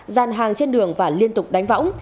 gian hàng trên đường và liên tục đánh võng